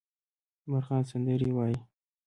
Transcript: مرغان سندرې وايي